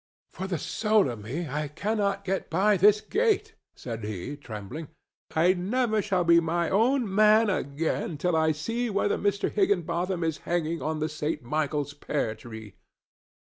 "For the soul of me, I cannot get by this gate!" said he, trembling. "I never shall be my own man again till I see whether Mr. Higginbotham is hanging on the St. Michael's pear tree."